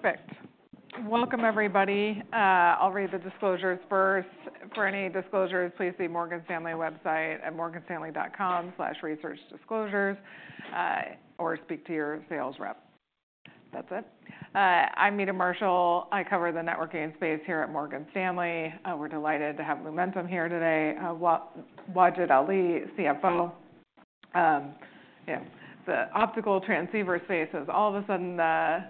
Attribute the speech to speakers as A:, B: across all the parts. A: Perfect! Welcome, everybody. I'll read the disclosures first. For any disclosures, please see Morgan Stanley website at morganstanley.com/researchdisclosures, or speak to your sales rep. That's it. I'm Meta Marshall. I cover the networking space here at Morgan Stanley. We're delighted to have Lumentum here today. Wajid Ali, CFO. Yeah, the optical transceiver space is all of a sudden,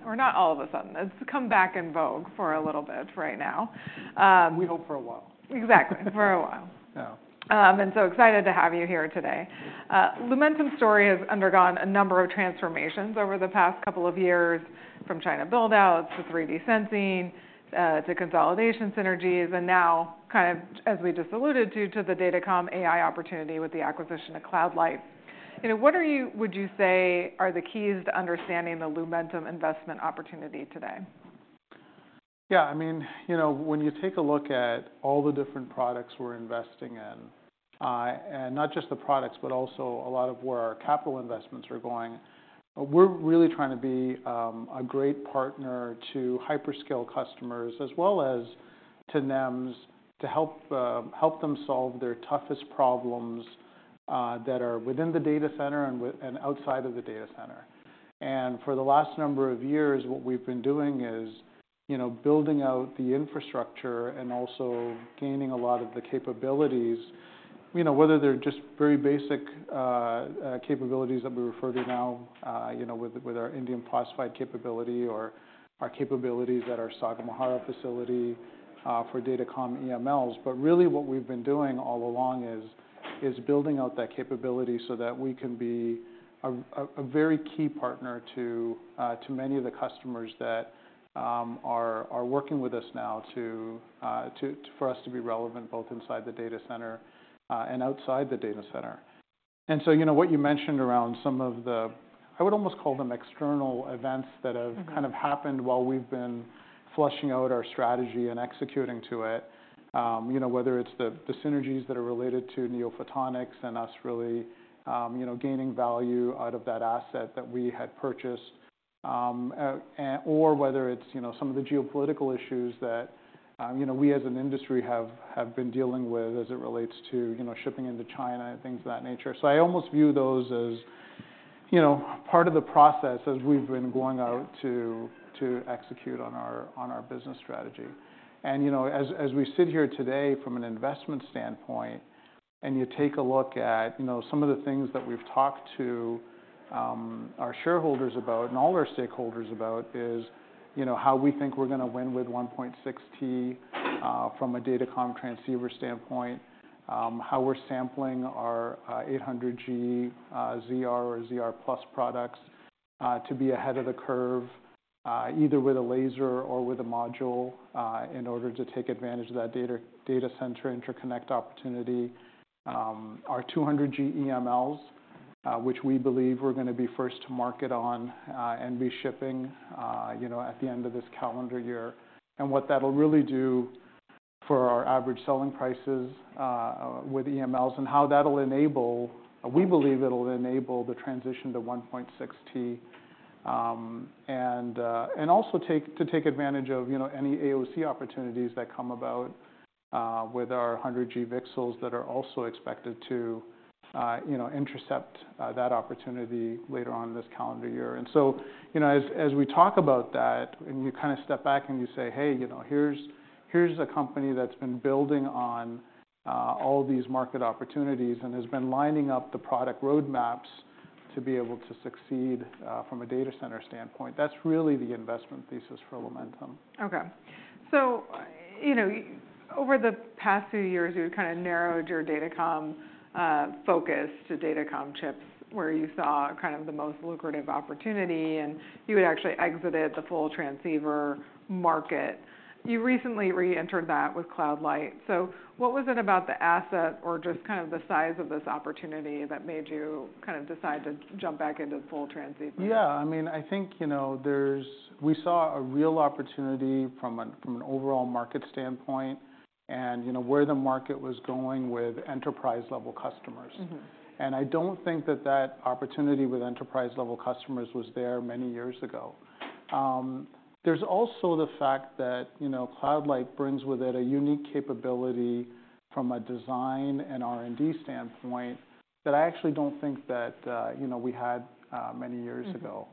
A: or not all of a sudden, it's come back in vogue for a little bit right now.
B: We hope for a while.
A: Exactly. For a while.
B: Yeah.
A: So excited to have you here today. Lumentum's story has undergone a number of transformations over the past couple of years, from China buildouts to 3D sensing, to consolidation synergies, and now kind of, as we just alluded to, to the Datacom AI opportunity with the acquisition of Cloud Light. You know, what are you-- would you say are the keys to understanding the Lumentum investment opportunity today?
B: Yeah, I mean, you know, when you take a look at all the different products we're investing in, and not just the products, but also a lot of where our capital investments are going, we're really trying to be a great partner to hyperscale customers, as well as to NEMs, to help help them solve their toughest problems that are within the data center and outside of the data center. And for the last number of years, what we've been doing is, you know, building out the infrastructure and also gaining a lot of the capabilities, you know, whether they're just very basic capabilities that we refer to now, you know, with our indium phosphide capability or our capabilities at our Sagamihara facility for datacom EMLs. But really, what we've been doing all along is building out that capability so that we can be a very key partner to many of the customers that are working with us now for us to be relevant, both inside the data center and outside the data center. And so, you know, what you mentioned around some of the, I would almost call them external events that have-
A: Mm-hmm...
B: kind of happened while we've been fleshing out our strategy and executing to it. You know whether it's the synergies that are related to NeoPhotonics and us really gaining value out of that asset that we had purchased. Or whether it's, you know, some of the geopolitical issues that we, as an industry, have been dealing with as it relates to, you know, shipping into China and things of that nature. So, I almost view those as, you know, part of the process as we've been going out-
A: Yeah...
B: to execute on our business strategy. And, you know, as we sit here today from an investment standpoint, and you take a look at, you know, some of the things that we've talked to our shareholders about and all our stakeholders about, is, you know, how we think we're going to win with 1.6T from a datacom transceiver standpoint. How we're sampling our 800G ZR or ZR+ products to be ahead of the curve, either with a laser or with a module, in order to take advantage of that data center interconnect opportunity. Our 200G EMLs, which we believe we're going to be first to market on, and be shipping, you know, at the end of this calendar year. And what that'll really do for our average selling prices with EMLs, and how that'll enable—we believe it'll enable the transition to 1.6T. And also take—to take advantage of, you know, any AOC opportunities that come about with our 100G VCSELs that are also expected to, you know, intercept that opportunity later on in this calendar year. And so, you know, as we talk about that, and you kind of step back and you say: Hey, you know, here's a company that's been building on all these market opportunities and has been lining up the product roadmaps to be able to succeed from a data center standpoint. That's really the investment thesis for Lumentum.
A: Okay. So, you know, over the past few years, you've kind of narrowed your datacom focus to datacom chips, where you saw kind of the most lucrative opportunity, and you had actually exited the full transceiver market. You recently reentered that with Cloud Light. So, what was it about the asset or just kind of the size of this opportunity that made you kind of decide to jump back into the full transceiver?
B: Yeah, I mean, I think, you know, we saw a real opportunity from an overall market standpoint and, you know, where the market was going with enterprise-level customers.
A: Mm-hmm.
B: I don't think that that opportunity with enterprise-level customers was there many years ago. There's also the fact that, you know, Cloud Light brings with it a unique capability from a design and R&D standpoint, that I actually don't think that, you know, we had many years ago.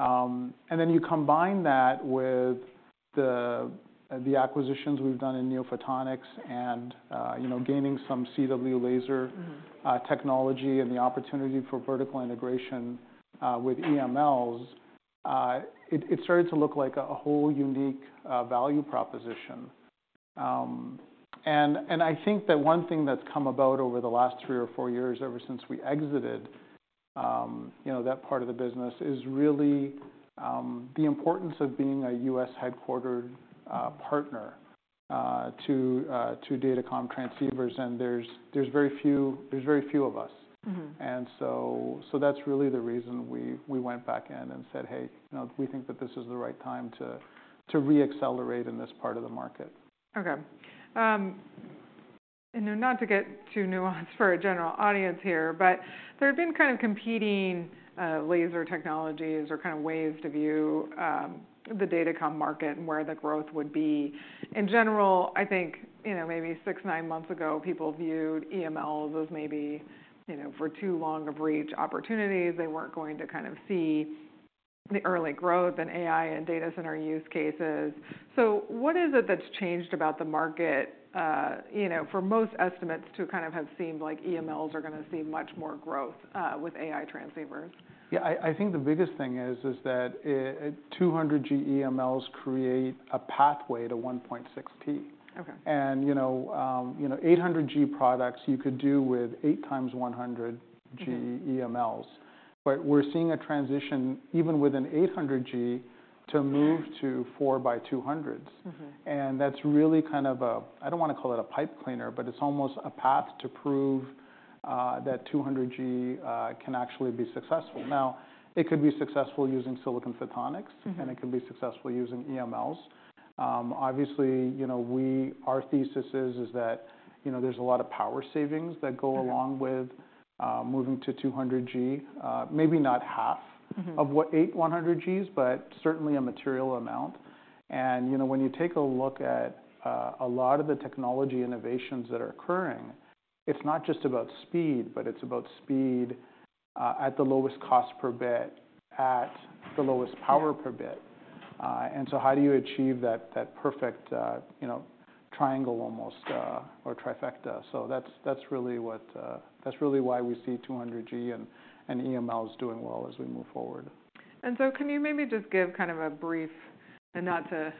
A: Mm-hmm.
B: And then you combine that with the acquisitions we've done in NeoPhotonics and, you know, gaining some CW laser-
A: Mm-hmm...
B: technology and the opportunity for vertical integration with EMLs, it started to look like a whole unique value proposition. And I think that one thing that's come about over the last three or four years, ever since we exited, you know, that part of the business, is really the importance of being a U.S.-headquartered partner to datacom transceivers, and there's very few of us.
A: Mm-hmm.
B: And so that's really the reason we went back in and said: Hey, you know, we think that this is the right time to re-accelerate in this part of the market.
A: Okay. And then not to get too nuanced for a general audience here, but there have been kind of competing laser technologies or kind of ways to view the Datacom market and where the growth would be. In general, I think, you know, maybe 6-9 months ago, people viewed EMLs as maybe, you know, for too long of reach opportunities. They weren't going to kind of see the early growth in AI and data center use cases. So, what is it that's changed about the market, you know, for most estimates to kind of have seemed like EMLs are going to see much more growth with AI transceivers?
B: Yeah, I think the biggest thing is that 200G EMLs create a pathway to 1.6T.
A: Okay.
B: And, you know, you know, 800G products you could do with 8x 100G-
A: Mm-hmm...
B: EMLs. But we're seeing a transition, even with an 800G, to move-
A: Yeah
B: - to 4 by 200s.
A: Mm-hmm.
B: That's really kind of a... I don't want to call it a pipe cleaner, but it's almost a path to prove that 200G can actually be successful. Now, it could be successful using silicon photonics-
A: Mm-hmm
B: and it could be successful using EMLs. Obviously, you know, our thesis is that, you know, there's a lot of power savings that go along-
A: Okay...
B: with, moving to 200G. Maybe not half-
A: Mm-hmm
B: of what 800G is, but certainly a material amount. And, you know, when you take a look at a lot of the technology innovations that are occurring, it's not just about speed, but it's about speed at the lowest cost per bit, at the lowest power per bit.
A: Yeah.
B: So how do you achieve that perfect, you know, triangle almost, or trifecta? So, that's really what that's really why we see 200G and EMLs doing well as we move forward.
A: Can you maybe just give kind of a brief, and not to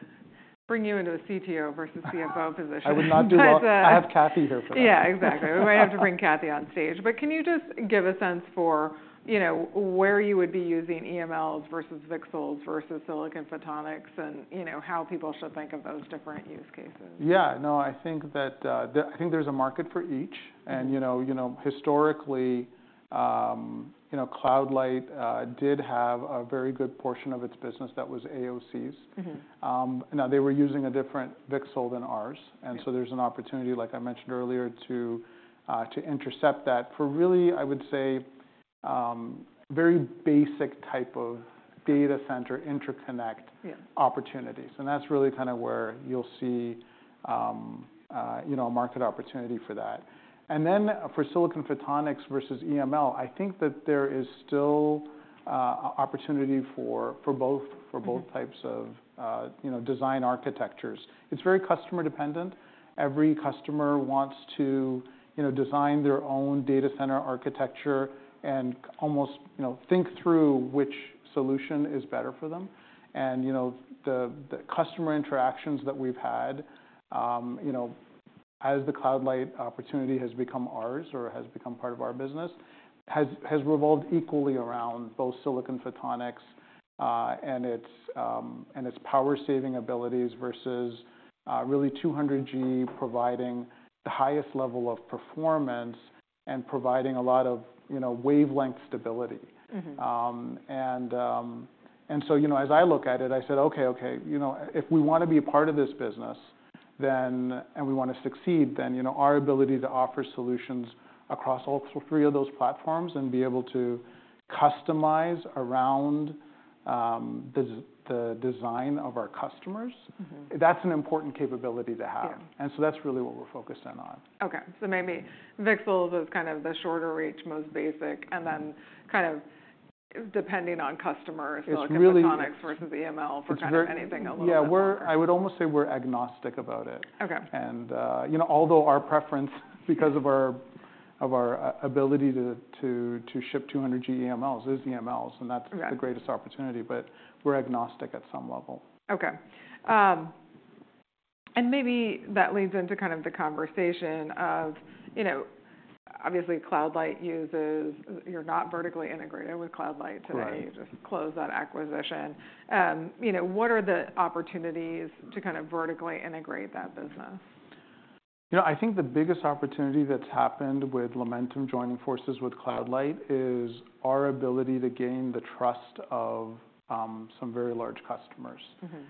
A: bring you into a CTO versus CFO position-
B: I would not do well.
A: But, uh-
B: I have Kathy here for that.
A: Yeah, exactly. We might have to bring Kathy on stage. But can you just give a sense for, you know, where you would be using EMLs versus VCSELs versus silicon photonics, and you know, how people should think of those different use cases?
B: Yeah. No, I think that I think there's a market for each.
A: Mm-hmm.
B: you know, you know, historically, you know, Cloud Light did have a very good portion of its business that was AOCs.
A: Mm-hmm.
B: Now, they were using a different VCSEL than ours.
A: Yeah.
B: And so, there's an opportunity, like I mentioned earlier, to intercept that, for really, I would say, very basic type of data center interconnect-
A: Yeah
B: - opportunities. And that's really kind of where you'll see, you know, a market opportunity for that. And then for silicon photonics versus EML, I think that there is still opportunity for both-
A: Mm-hmm
B: For both types of, you know, design architectures. It's very customer dependent. Every customer wants to, you know, design their own data center architecture and almost, you know, think through which solution is better for them. And, you know, the customer interactions that we've had, you know, as the Cloud Light opportunity has become ours or has become part of our business, has revolved equally around both silicon photonics and its power-saving abilities versus really 200G providing the highest level of performance and providing a lot of, you know, wavelength stability.
A: Mm-hmm.
B: You know, as I look at it, I said: Okay, okay, you know, if we want to be a part of this business, then we want to succeed, then, you know, our ability to offer solutions across all three of those platforms and be able to customize around the design of our customers-
A: Mm-hmm
B: - That's an important capability to have.
A: Yeah.
B: That's really what we're focusing on.
A: Okay. So maybe VCSEL is kind of the shorter reach, most basic, and then-
B: Mm-hmm
A: - kind of depending on customers-
B: It's really-
A: - Silicon photonics versus EML-
B: It's very-
A: for kind of anything a little longer.
B: Yeah, I would almost say we're agnostic about it.
A: Okay.
B: You know, although our preference, because of our ability to ship 200G EMLs, is EMLs, and that's-
A: Yeah
B: The greatest opportunity, but we're agnostic at some level.
A: Okay. Maybe that leads into kind of the conversation of, you know, obviously Cloud Light uses... You're not vertically integrated with Cloud Light today.
B: Right.
A: You just closed that acquisition. You know, what are the opportunities to kind of vertically integrate that business?
B: You know, I think the biggest opportunity that's happened with Lumentum joining forces with Cloud Light is our ability to gain the trust of some very large customers.
A: Mm-hmm.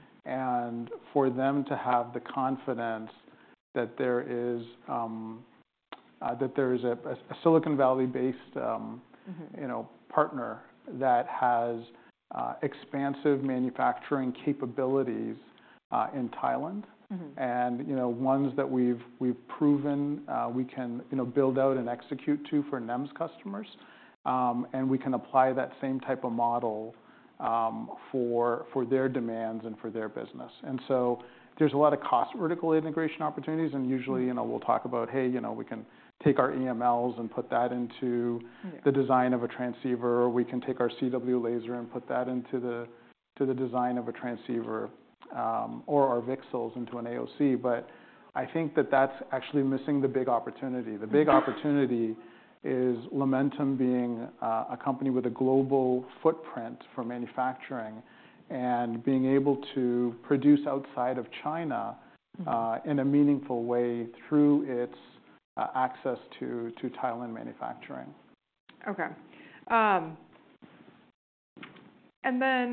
B: For them to have the confidence that there's a Silicon Valley-based,
A: Mm-hmm...
B: you know, partner that has expansive manufacturing capabilities in Thailand.
A: Mm-hmm.
B: You know, ones that we've proven we can, you know, build out and execute to for NEMs customers. And we can apply that same type of model for their demands and for their business. And so there's a lot of cost vertical integration opportunities.
A: Mm-hmm.
B: Usually, you know, we'll talk about, hey, you know, we can take our EMLs and put that into-
A: Yeah
B: the design of a transceiver, or we can take our CW laser and put that into the design of a transceiver, or our VCSELs into an AOC. But I think that that's actually missing the big opportunity.
A: Mm-hmm.
B: The big opportunity is Lumentum being a company with a global footprint for manufacturing and being able to produce outside of China-
A: Mm-hmm...
B: in a meaningful way through its access to Thailand manufacturing.
A: Okay. And then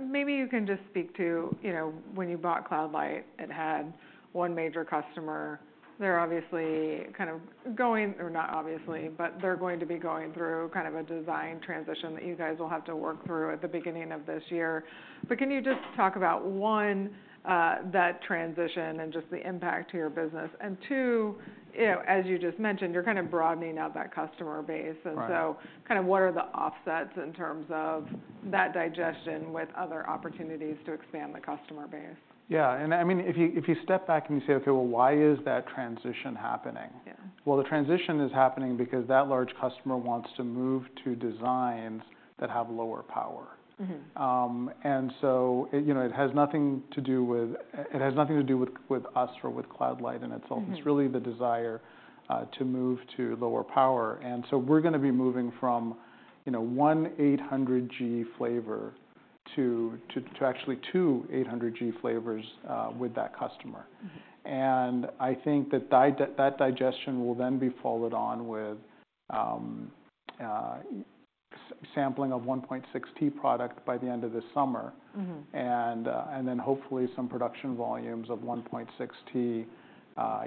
A: maybe you can just speak to, you know, when you bought Cloud Light, it had one major customer. They're obviously kind of going, or not obviously, but they're going to be going through kind of a design transition that you guys will have to work through at the beginning of this year. But can you just talk about, one, that transition and just the impact to your business, and two, you know, as you just mentioned, you're kind of broadening out that customer base.
B: Right.
A: So kind of, what are the offsets in terms of that digestion with other opportunities to expand the customer base?
B: Yeah, and I mean, if you, if you step back and you say, "Okay, well, why is that transition happening?
A: Yeah.
B: Well, the transition is happening because that large customer wants to move to designs that have lower power.
A: Mm-hmm.
B: And so, you know, it has nothing to do with... It has nothing to do with us or with Cloud Light in itself.
A: Mm-hmm.
B: It's really the desire to move to lower power. And so, we're going to be moving from, you know, 1 800G flavor to actually 2 800G flavors with that customer.
A: Mm-hmm.
B: I think that digestion will then be followed on with sampling of 1.6T product by the end of the summer.
A: Mm-hmm.
B: Then hopefully some production volumes of 1.6T,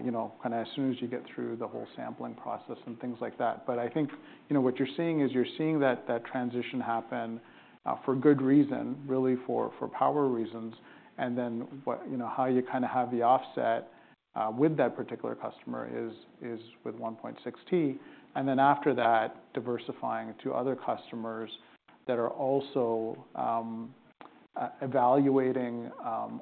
B: you know, kind of as soon as you get through the whole sampling process and things like that. But I think, you know, what you're seeing is you're seeing that transition happen for good reason, really for power reasons. And then, you know, how you kind of have the offset with that particular customer is with 1.6T, and then after that, diversifying to other customers that are also evaluating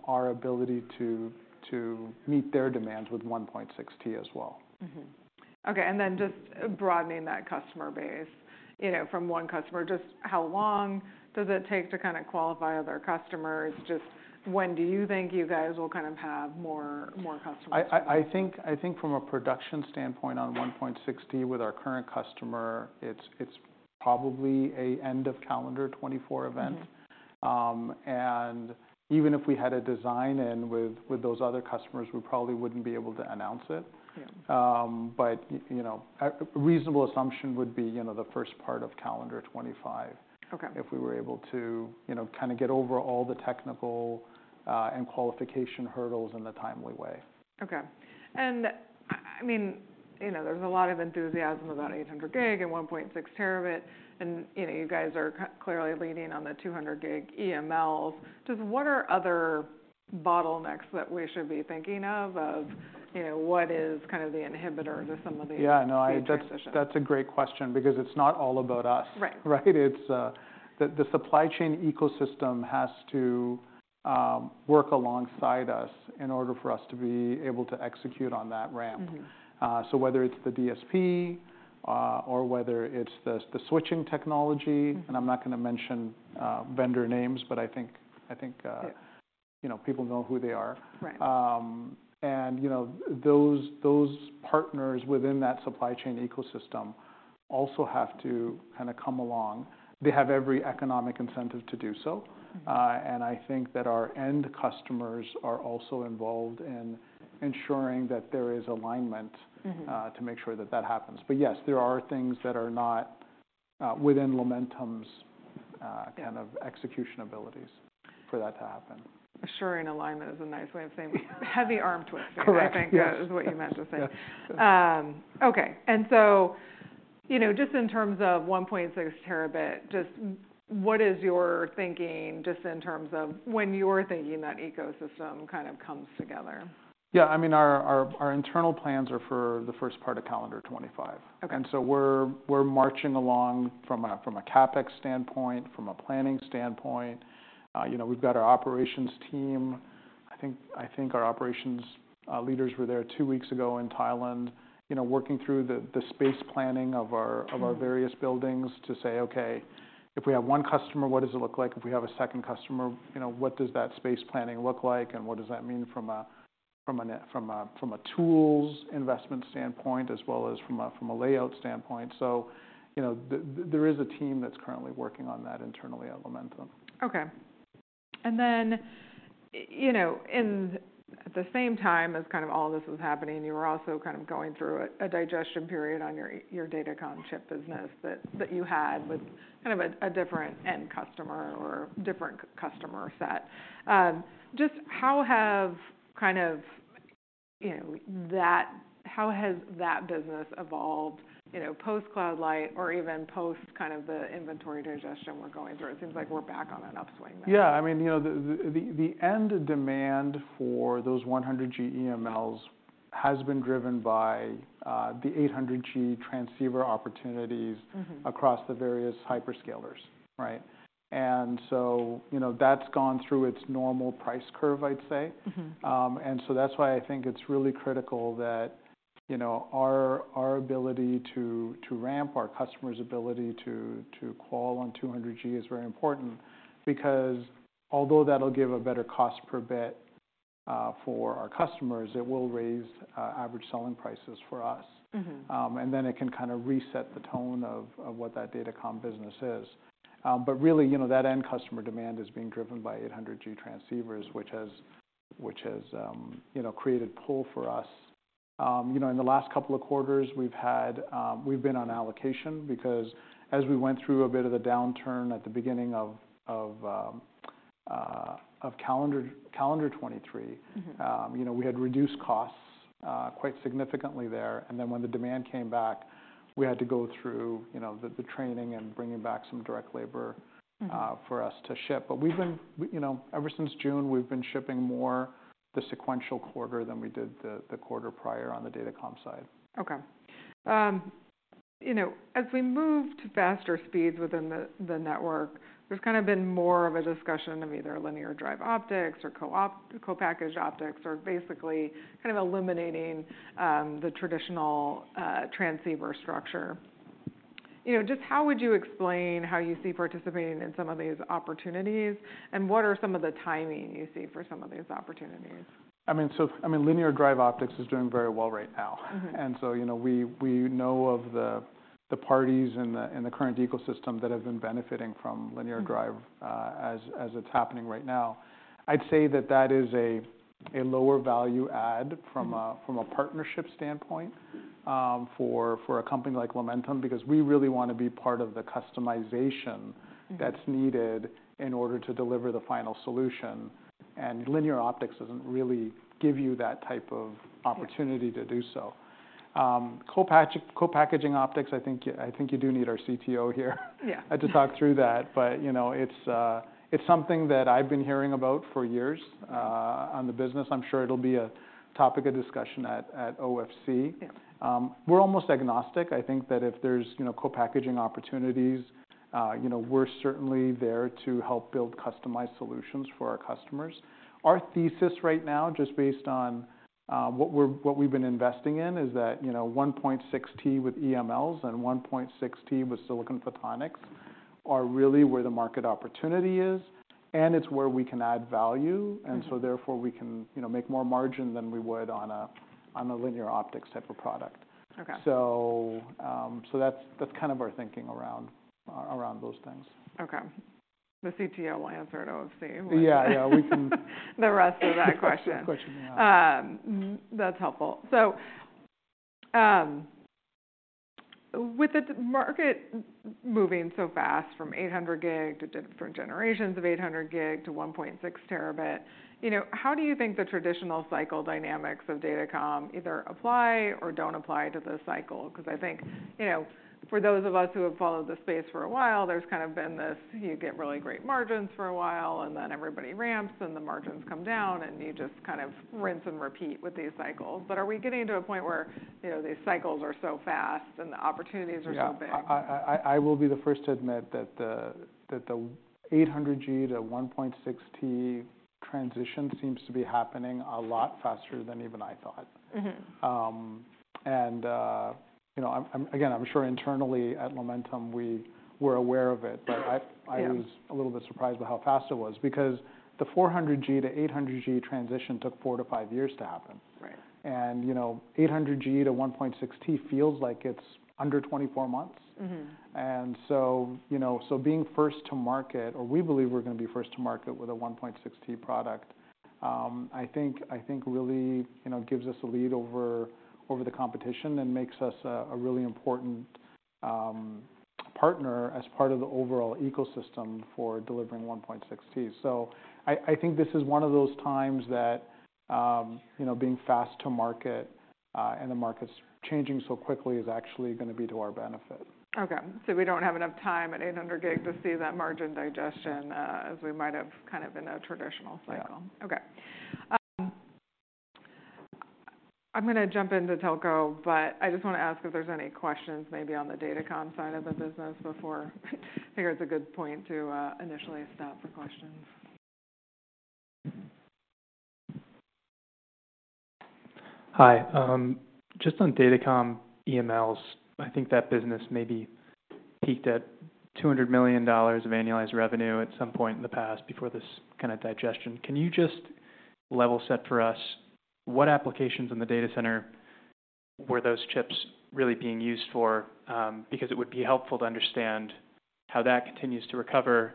B: our ability to meet their demands with 1.6T as well.
A: Mm-hmm. Okay, and then just broadening that customer base, you know, from one customer, just how long does it take to kind of qualify other customers? Just when do you think you guys will kind of have more, more customers?
B: I think from a production standpoint on 1.6T with our current customer, it's probably an end of calendar 2024 event.
A: Mm-hmm.
B: Even if we had a design in with those other customers, we probably wouldn't be able to announce it.
A: Yeah.
B: But you know, a reasonable assumption would be, you know, the first part of calendar 2025-
A: Okay...
B: if we were able to, you know, kind of get over all the technical and qualification hurdles in a timely way.
A: Okay. And, I mean, you know, there's a lot of enthusiasm about 800G and 1.6T, and, you know, you guys are clearly leading on the 200G EMLs. Just what are other bottlenecks that we should be thinking of, of, you know, what is kind of the inhibitor to some of the-
B: Yeah, no, I-
A: transitions?...
B: That's, that's a great question because it's not all about us.
A: Right.
B: Right? It's the supply chain ecosystem has to work alongside us in order for us to be able to execute on that ramp.
A: Mm-hmm.
B: So whether it's the DSP or whether it's the switching technology, and I'm not going to mention vendor names, but I think...
A: Yeah...
B: you know, people know who they are.
A: Right.
B: And you know, those partners within that supply chain ecosystem also have to kind of come along. They have every economic incentive to do so.
A: Mm-hmm.
B: and I think that our end customers are also involved in ensuring that there is alignment-
A: Mm-hmm...
B: to make sure that that happens. But yes, there are things that are not, within Lumentum's,
A: Yeah...
B: kind of execution abilities for that to happen.
A: Assuring alignment is a nice way of saying heavy arm-twisting-
B: Correct....
A: I think is what you meant to say.
B: Yeah.
A: Okay. And so, you know, just in terms of 1.6Terabit, just what is your thinking, just in terms of when you're thinking that ecosystem kind of comes together?
B: Yeah, I mean, our internal plans are for the first part of calendar 2025.
A: Okay.
B: And so, we're marching along from a CapEx standpoint, from a planning standpoint. You know, we've got our operations team. I think our operations leaders were there two weeks ago in Thailand, you know, working through the space planning of our-
A: Mm-hmm...
B: of our various buildings to say, "Okay, if we have one customer, what does it look like? If we have a second customer, you know, what does that space planning look like, and what does that mean from a tools investment standpoint, as well as from a layout standpoint?" So, you know, there is a team that's currently working on that internally at Lumentum.
A: Okay. And then, you know, in at the same time as kind of all this was happening, you were also kind of going through a digestion period on your datacom chip business that you had with kind of a different end customer or different customer set. Just how have, kind of, you know, how has that business evolved, you know, post-Cloud Light or even post kind of the inventory digestion we're going through? It seems like we're back on an upswing now.
B: Yeah, I mean, you know, the end demand for those 100G EMLs has been driven by the 800G transceiver opportunities-
A: Mm-hmm...
B: across the various hyperscalers, right? And so, you know, that's gone through its normal price curve, I'd say.
A: Mm-hmm.
B: and so that's why I think it's really critical that, you know, our ability to ramp, our customers' ability to qual on 200G is very important. Because although that'll give a better cost per bit, for our customers, it will raise average selling prices for us.
A: Mm-hmm.
B: And then it can kind of reset the tone of what that datacom business is. But really, you know, that end customer demand is being driven by 800G transceivers, which has you know created pull for us. You know, in the last couple of quarters, we've been on allocation because as we went through a bit of the downturn at the beginning of calendar 2023-
A: Mm-hmm.
B: You know, we had reduced costs quite significantly there, and then when the demand came back, we had to go through, you know, the training and bringing back some direct labor-
A: Mm-hmm.
B: for us to ship. But we've been, you know, ever since June, we've been shipping more the sequential quarter than we did the quarter prior on the datacom side.
A: Okay. You know, as we move to faster speeds within the network, there's kind of been more of a discussion of either linear drive optics or co-packaged optics, or basically, kind of eliminating the traditional transceiver structure. You know, just how would you explain how you see participating in some of these opportunities? And what are some of the timing you see for some of these opportunities?
B: I mean, so, I mean, linear drive optics is doing very well right now.
A: Mm-hmm.
B: And so, you know, we know of the parties in the current ecosystem that have been benefiting from linear drive-
A: Mm-hmm...
B: as it's happening right now. I'd say that that is a lower value add-
A: Mm-hmm
B: from a partnership standpoint, for a company like Lumentum, because we really want to be part of the customization-
A: Mm-hmm
B: that's needed in order to deliver the final solution. Linear optics doesn't really give you that type of-
A: Sure
B: -opportunity to do so. Co-packaged optics, I think, I think you do need our CTO here,
A: Yeah.
B: To talk through that. But, you know, it's, it's something that I've been hearing about for years, on the business. I'm sure it'll be a topic of discussion at OFC.
A: Yeah.
B: We're almost agnostic. I think that if there's, you know, co-packaging opportunities, you know, we're certainly there to help build customized solutions for our customers. Our thesis right now, just based on, what we've been investing in, is that, you know, 1.6T with EMLs and 1.6T with silicon photonics are really where the market opportunity is, and it's where we can add value.
A: Mm-hmm.
B: So therefore, we can, you know, make more margin than we would on a linear optics type of product.
A: Okay.
B: That's kind of our thinking around those things.
A: Okay. The CTO will answer at OFC.
B: Yeah, yeah, we can-
A: The rest of that question.
B: Good question, yeah.
A: That's helpful. So, with the market moving so fast from 800G to different generations of 800G to 1.6T, you know, how do you think the traditional cycle dynamics of datacom either apply or don't apply to this cycle? 'Cause I think, you know, for those of us who have followed this space for a while, there's kind of been this, you get really great margins for a while, and then everybody ramps, and the margins come down, and you just kind of rinse and repeat with these cycles. But are we getting to a point where, you know, these cycles are so fast and the opportunities are so big?
B: Yeah. I will be the first to admit that the 800G to 1.6T transition seems to be happening a lot faster than even I thought.
A: Mm-hmm.
B: Again, I'm sure internally at Lumentum, we were aware of it.
A: Yeah...
B: but I, I was a little bit surprised by how fast it was. Because the 400G to 800G transition took 4-5 years to happen.
A: Right.
B: You know, 800G to 1.6T feels like it's under 24 months.
A: Mm-hmm.
B: And so, you know, so being first to market, or we believe we're going to be first to market with a 1.6T product, I think, I think really, you know, gives us a lead over, over the competition and makes us a, a really important, partner as part of the overall ecosystem for delivering 1.6T. So, I, I think this is one of those times that, you know, being fast to market, and the market's changing so quickly, is actually going to be to our benefit.
A: Okay. So, we don't have enough time at 800 gig to see that margin digestion, as we might have kind of in a traditional cycle?
B: Yeah.
A: Okay. I'm going to jump into telco, but I just want to ask if there's any questions, maybe on the datacom side of the business before, figure it's a good point to initially stop for questions.
C: Hi. Just on datacom EMLs, I think that business maybe peaked at $200 million of annualized revenue at some point in the past, before this kind of digestion. Can you just level set for us, what applications in the data center were those chips really being used for? Because it would be helpful to understand how that continues to recover,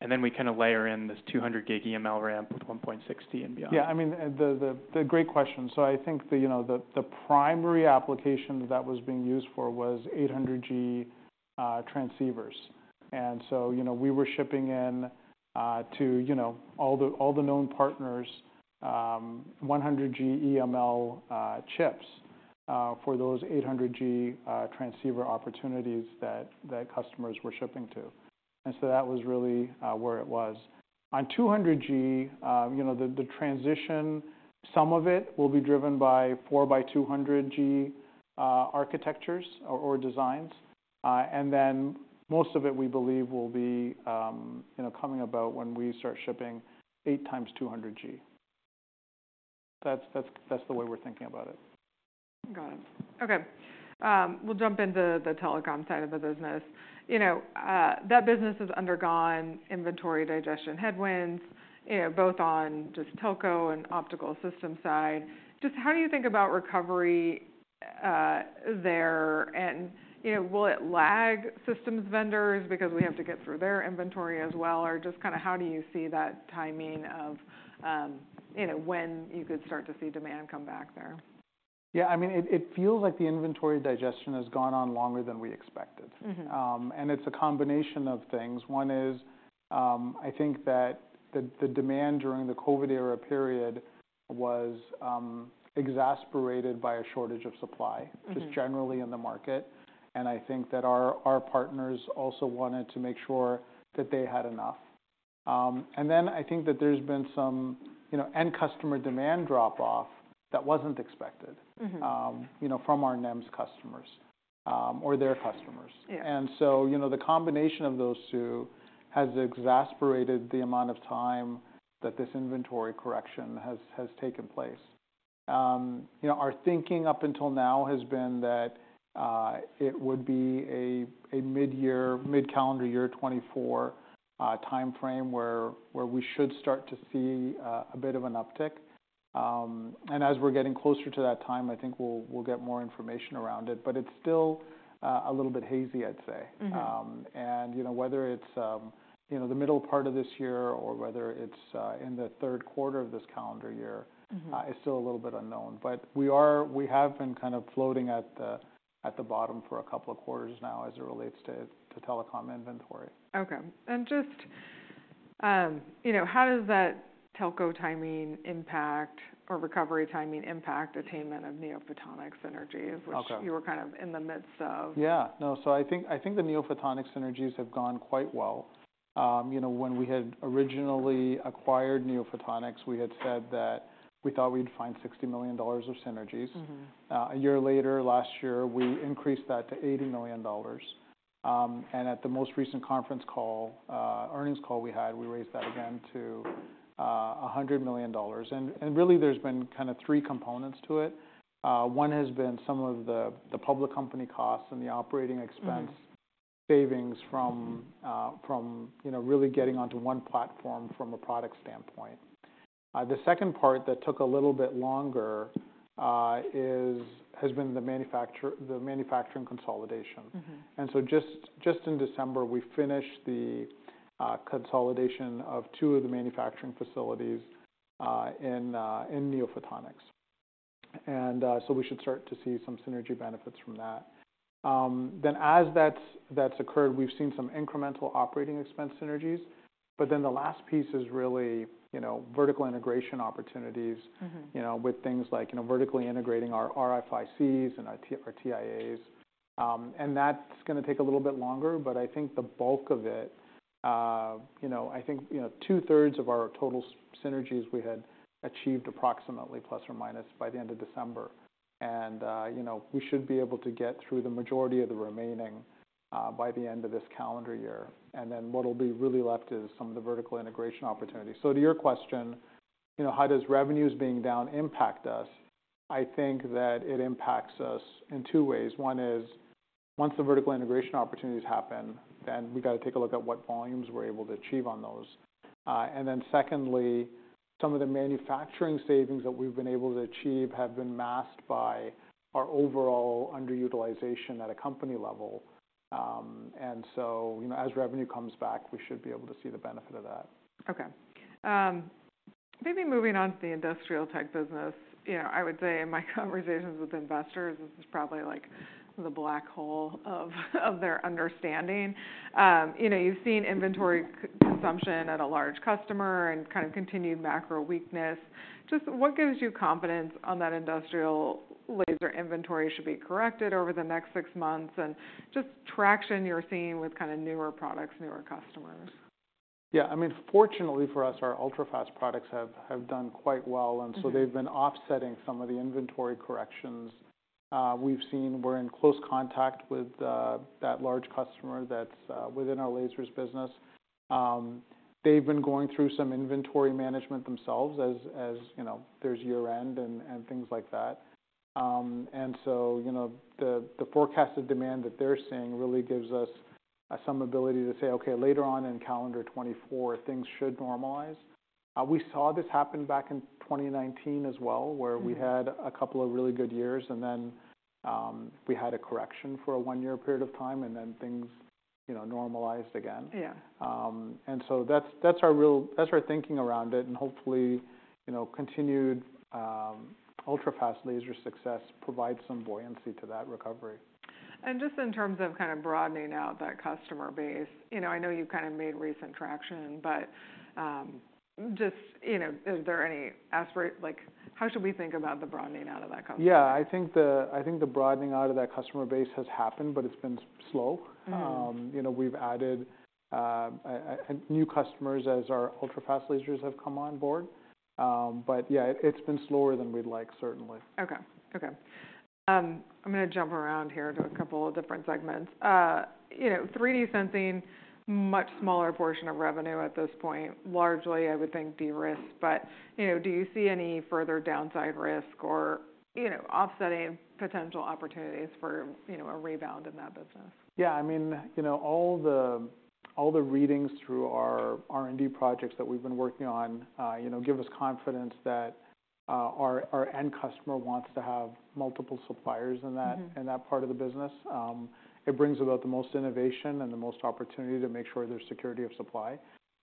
C: and then we kind of layer in this 200 gig EML ramp with 1.6T and beyond.
B: Yeah. I mean, the great question. So, I think the, you know, the primary application that was being used for was 800G transceivers. And so, you know, we were shipping in to, you know, all the known partners, 100G EML chips, for those 800G transceiver opportunities that customers were shipping to. And so that was really where it was. On 200G, you know, the transition, some of it will be driven by four by 200G architectures or designs. And then most of it, we believe, will be, you know, coming about when we start shipping eight times 200G. That's the way we're thinking about it.
A: Got it. Okay. We'll jump into the telecom side of the business. You know, that business has undergone inventory digestion headwinds, you know, both on just telco and optical system side. Just how do you think about recovery there and, you know, will it lag systems vendors because we have to get through their inventory as well? Or just kind of how do you see that timing of, you know, when you could start to see demand come back there?
B: Yeah, I mean, it, it feels like the inventory digestion has gone on longer than we expected.
A: Mm-hmm.
B: It's a combination of things. One is, I think that the demand during the COVID era period was exacerbated by a shortage of supply.
A: Mm-hmm...
B: just generally in the market. And I think that our partners also wanted to make sure that they had enough. And then I think that there's been some, you know, end customer demand drop-off that wasn't expected.
A: Mm-hmm...
B: you know, from our NEMs customers, or their customers.
A: Yeah.
B: And so, you know, the combination of those two has exacerbated the amount of time that this inventory correction has taken place. You know, our thinking up until now has been that it would be a mid-calendar year 2024 timeframe, where we should start to see a bit of an uptick. And as we're getting closer to that time, I think we'll get more information around it. But it's still a little bit hazy, I'd say.
A: Mm-hmm.
B: You know, whether it's you know the middle part of this year or whether it's in the third quarter of this calendar year-
A: Mm-hmm...
B: is still a little bit unknown. But we are—we have been kind of floating at the bottom for a couple of quarters now as it relates to telecom inventory.
A: Okay. And just, you know, how does that telco timing impact or recovery timing impact attainment of NeoPhotonics synergies?
B: Okay...
A: which you were kind of in the midst of?
B: Yeah. No, so I think, I think the NeoPhotonics synergies have gone quite well. You know, when we had originally acquired NeoPhotonics, we had said that we thought we'd find $60 million of synergies.
A: Mm-hmm.
B: A year later, last year, we increased that to $80 million. At the most recent conference call, earnings call we had, we raised that again to $100 million. Really there's been kind of three components to it. One has been some of the public company costs and the operating expense-
A: Mm-hmm...
B: savings from, you know, really getting onto one platform from a product standpoint. The second part that took a little bit longer has been the manufacturing consolidation.
A: Mm-hmm.
B: And so just, just in December, we finished the consolidation of two of the manufacturing facilities in NeoPhotonics. And so we should start to see some synergy benefits from that. Then as that's, that's occurred, we've seen some incremental operating expense synergies. But then the last piece is really, you know, vertical integration opportunities-
A: Mm-hmm...
B: you know, with things like, you know, vertically integrating our RFICs and our TIAs. That's gonna take a little bit longer, but I think the bulk of it, you know, I think, you know, two-thirds of our total synergies we had achieved approximately, plus or minus, by the end of December. You know, we should be able to get through the majority of the remaining by the end of this calendar year. Then what'll be really left is some of the vertical integration opportunities. So to your question, you know, how does revenues being down impact us? I think that it impacts us in two ways. One is, once the vertical integration opportunities happen, then we've got to take a look at what volumes we're able to achieve on those. And then secondly, some of the manufacturing savings that we've been able to achieve have been masked by our overall underutilization at a company level. And so, you know, as revenue comes back, we should be able to see the benefit of that.
A: Okay. Maybe moving on to the industrial tech business. You know, I would say in my conversations with investors, this is probably, like, the black hole of their understanding. You know, you've seen inventory consumption at a large customer and kind of continued macro weakness. Just what gives you confidence on that industrial laser inventory should be corrected over the next six months, and just traction you're seeing with kind of newer products, newer customers?
B: Yeah, I mean, fortunately for us, our ultrafast products have, have done quite well.
A: Mm-hmm.
B: They've been offsetting some of the inventory corrections. We're in close contact with that large customer that's within our lasers business. They've been going through some inventory management themselves, as you know, there's year-end and things like that. You know, the forecasted demand that they're seeing really gives us some ability to say: Okay, later on in calendar 2024, things should normalize. We saw this happen back in 2019 as well.
A: Mm-hmm...
B: where we had a couple of really good years, and then, we had a correction for a one-year period of time, and then things, you know, normalized again.
A: Yeah.
B: And so that's our thinking around it. And hopefully, you know, continued ultrafast laser success provides some buoyancy to that recovery.
A: Just in terms of kind of broadening out that customer base, you know, I know you've kind of made recent traction, but just, you know, is there any aspiration? Like, how should we think about the broadening out of that customer?
B: Yeah. I think the broadening out of that customer base has happened, but it's been slow.
A: Mm-hmm.
B: You know, we've added new customers as our ultrafast lasers have come on board. But yeah, it's been slower than we'd like, certainly.
A: Okay. Okay. I'm gonna jump around here to a couple of different segments. You know, 3D sensing, much smaller portion of revenue at this point, largely, I would think, de-risked. But, you know, do you see any further downside risk or, you know, offsetting potential opportunities for, you know, a rebound in that business?
B: Yeah, I mean, you know, all the readings through our R&D projects that we've been working on, you know, give us confidence that our end customer wants to have multiple suppliers in that-
A: Mm-hmm.
B: In that part of the business. It brings about the most innovation and the most opportunity to make sure there's security of supply.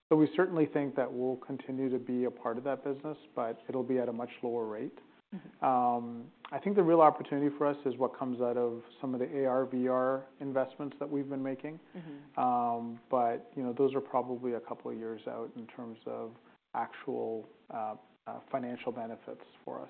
B: So, we certainly think that we'll continue to be a part of that business, but it'll be at a much lower rate.
A: Mm-hmm.
B: I think the real opportunity for us is what comes out of some of the AR/VR investments that we've been making.
A: Mm-hmm.
B: You know, those are probably a couple of years out in terms of actual financial benefits for us.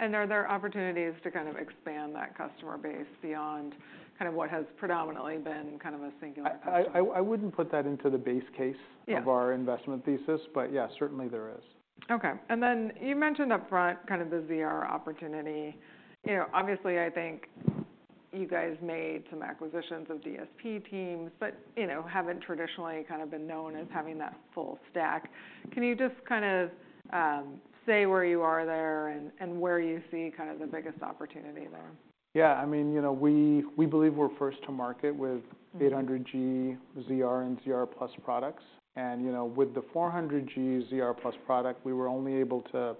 A: Are there opportunities to kind of expand that customer base beyond kind of what has predominantly been kind of a singular customer?
B: I wouldn't put that into the base case-
A: Yeah
B: of our investment thesis, but yeah, certainly there is.
A: Okay. And then you mentioned upfront, kind of the ZR opportunity. You know, obviously, I think you guys made some acquisitions of DSP teams, but, you know, haven't traditionally kind of been known as having that full stack. Can you just kind of say where you are there and where you see kind of the biggest opportunity there?
B: Yeah. I mean, you know, we, we believe we're first to market with-
A: Mm-hmm
B: 800G ZR and ZR+ products. And, you know, with the 400G ZR+ product, we were only able to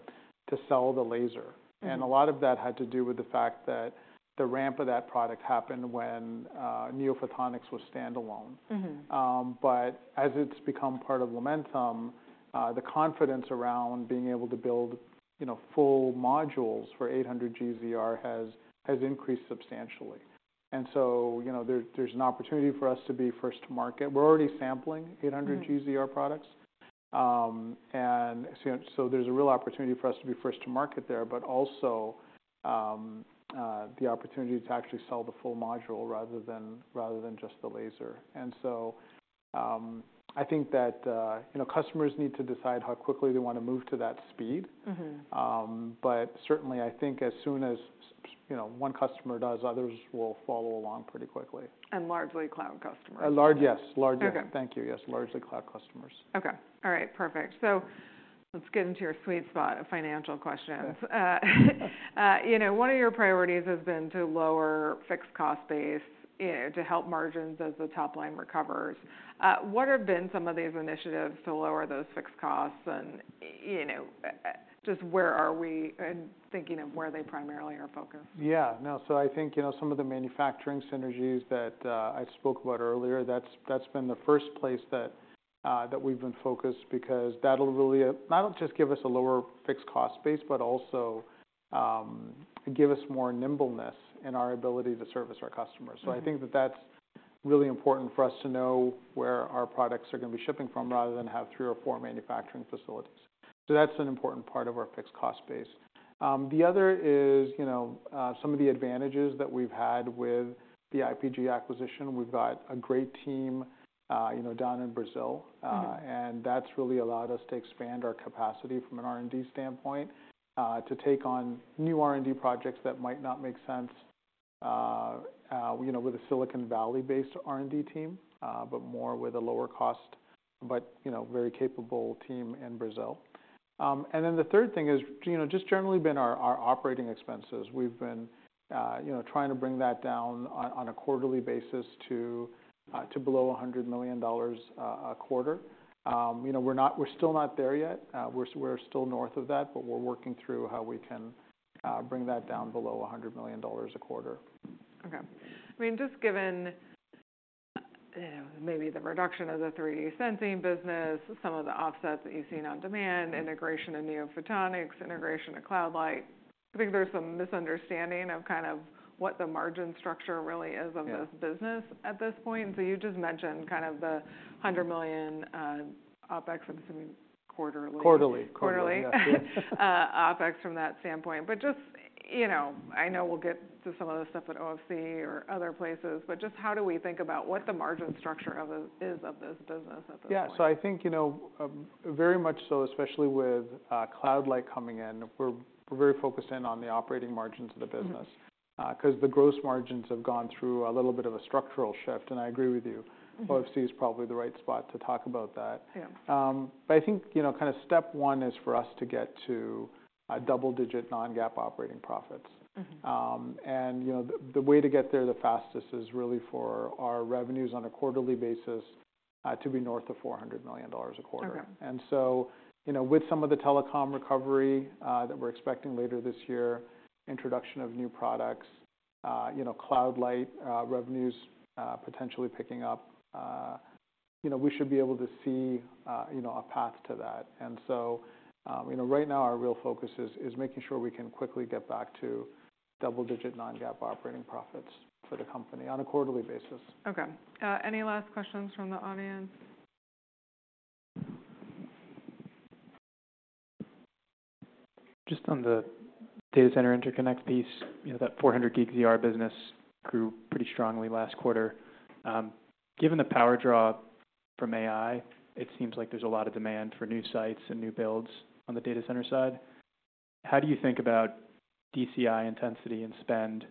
B: sell the laser.
A: Mm-hmm.
B: A lot of that had to do with the fact that the ramp of that product happened when NeoPhotonics was standalone.
A: Mm-hmm.
B: As it's become part of Lumentum, the confidence around being able to build, you know, full modules for 800G ZR has increased substantially. And so, you know, there's an opportunity for us to be first to market. We're already sampling 800G ZR products.
A: Mm-hmm.
B: So, there's a real opportunity for us to be first to market there, but also the opportunity to actually sell the full module rather than just the laser. So I think that, you know, customers need to decide how quickly they want to move to that speed.
A: Mm-hmm.
B: But certainly, I think as soon as you know, one customer does, others will follow along pretty quickly.
A: Largely cloud customers?
B: Yes. Largely.
A: Okay.
B: Thank you. Yes, largely cloud customers.
A: Okay. All right, perfect. So let's get into your sweet spot of financial questions. You know, one of your priorities has been to lower fixed cost base, you know, to help margins as the top line recovers. What have been some of these initiatives to lower those fixed costs? And, you know, just where are we in thinking of where they primarily are focused?
B: Yeah, no. So I think, you know, some of the manufacturing synergies that I spoke about earlier, that's been the first place that we've been focused, because that'll really not only just give us a lower fixed cost base, but also give us more nimbleness in our ability to service our customers.
A: Mm-hmm.
B: I think that that's really important for us to know where our products are going to be shipping from, rather than have three or four manufacturing facilities. That's an important part of our fixed cost base. The other is, you know, some of the advantages that we've had with the IPG acquisition. We've got a great team, you know, down in Brazil.
A: Mm-hmm.
B: And that's really allowed us to expand our capacity from an R&D standpoint, to take on new R&D projects that might not make sense, you know, with a Silicon Valley-based R&D team, but more with a lower cost, but, you know, very capable team in Brazil. And then the third thing is, you know, just generally been our operating expenses. We've been, you know, trying to bring that down on a quarterly basis to below $100 million a quarter. You know, we're not. We're still not there yet. We're still north of that, but we're working through how we can bring that down below $100 million a quarter.
A: Okay. I mean, just given, maybe the reduction of the 3D sensing business, some of the offsets that you've seen on demand, integration of NeoPhotonics, integration of Cloud Light, I think there's some misunderstanding of kind of what the margin structure really is-
B: Yeah
A: -of this business at this point. So you just mentioned kind of the $100 million OpEx, I'm assuming, quarterly-
B: Quarterly.
A: Quarterly -
B: Yeah,
A: OpEx from that standpoint. But just, you know... I know we'll get to some of the stuff at OFC or other places, but just how do we think about what the margin structure of this, is of this business at this point?
B: Yeah. So I think, you know, very much so, especially with Cloud Light coming in, we're very focused in on the operating margins of the business.
A: Mm-hmm.
B: 'Cause the gross margins have gone through a little bit of a structural shift, and I agree with you.
A: Mm-hmm.
B: OFC is probably the right spot to talk about that.
A: Yeah.
B: But I think, you know, kind of step one is for us to get to a double-digit non-GAAP operating profits.
A: Mm-hmm.
B: You know, the way to get there the fastest is really for our revenues, on a quarterly basis, to be north of $400 million a quarter.
A: Okay.
B: And so, you know, with some of the telecom recovery that we're expecting later this year, introduction of new products, you know, Cloud Light revenues potentially picking up, you know, we should be able to see, you know, a path to that. And so, you know, right now, our real focus is making sure we can quickly get back to double-digit non-GAAP operating profits for the company on a quarterly basis.
A: Okay. Any last questions from the audience?
C: Just on the data center interconnect piece, you know, that 400G ZR business grew pretty strongly last quarter. Given the power draw from AI, it seems like there's a lot of demand for new sites and new builds on the data center side. How do you think about DCI intensity and spend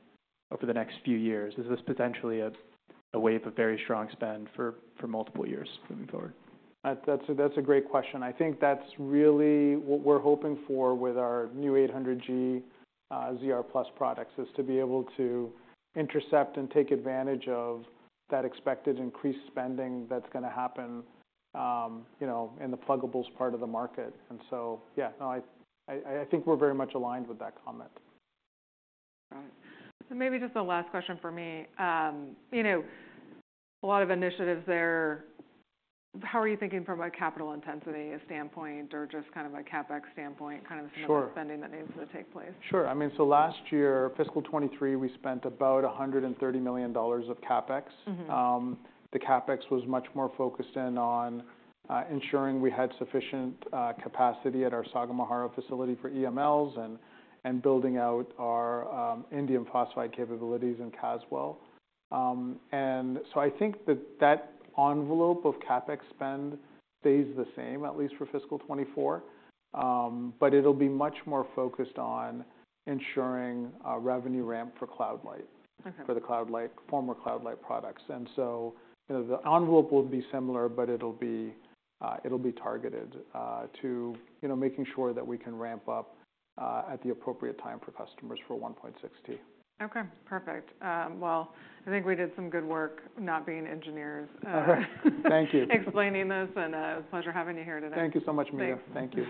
C: over the next few years? Is this potentially a wave of very strong spend for multiple years moving forward?
B: That's a great question. I think that's really what we're hoping for with our new 800G ZR+ products, is to be able to intercept and take advantage of that expected increased spending that's gonna happen, you know, in the pluggables part of the market. And so, yeah, no, I think we're very much aligned with that comment.
C: All right.
A: So maybe just a last question from me. You know, a lot of initiatives there. How are you thinking from a capital intensity standpoint or just kind of a CapEx standpoint, kind of-
B: Sure
A: Some of the spending that needs to take place?
B: Sure. I mean, so last year, fiscal 2023, we spent about $130 million of CapEx.
A: Mm-hmm.
B: The CapEx was much more focused in on ensuring we had sufficient capacity at our Sagamihara facility for EMLs and building out our indium phosphide capabilities in Caswell. So I think that that envelope of CapEx spend stays the same, at least for fiscal 2024. But it'll be much more focused on ensuring a revenue ramp for Cloud Light.
A: Okay.
B: For the Cloud Light, former Cloud Light products. And so, you know, the envelope will be similar, but it'll be targeted to, you know, making sure that we can ramp up at the appropriate time for customers for 1.6T.
A: Okay, perfect. Well, I think we did some good work not being engineers.
B: Thank you...
A: explaining this. It was a pleasure having you here today.
B: Thank you so much, Meta.
A: Thanks.
B: Thank you.